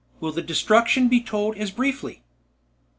Will the destruction be told as briefly?